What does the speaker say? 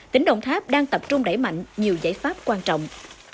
tỉnh đồng tháp đang tập trung đẩy mạnh nhiều giải pháp quan trọng